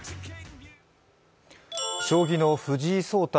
将棋の藤井聡太